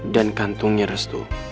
dan kantungnya restu